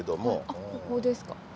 あっここですか。